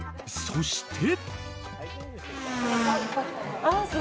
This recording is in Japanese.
そして。